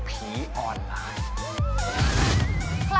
ผีออนไลน์